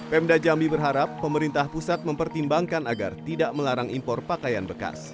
pemda jambi berharap pemerintah pusat mempertimbangkan agar tidak melarang impor pakaian bekas